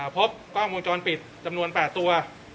พบกล้องวงจรปิดจำนวน๘ตัว